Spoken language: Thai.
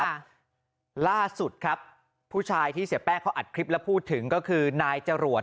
ครับล่าสุดครับผู้ชายที่เสียแป้งเขาอัดคลิปแล้วพูดถึงก็คือนายจรวด